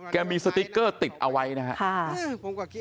มีสติ๊กเกอร์ติดเอาไว้นะครับ